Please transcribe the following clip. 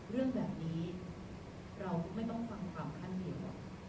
เรื่องแบบนี้เราไม่ต้องฟังความท่านเดียว